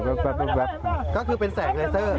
ก็คือเป็นแสงเลเซอร์